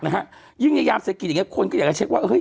นะฮะยึ่งแย้งยามเศรษฐกิจอย่างเงี้ยคนก็อยากจะเช็คว่าเออฮิ่ย